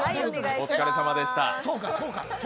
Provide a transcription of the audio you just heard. お疲れさまでした。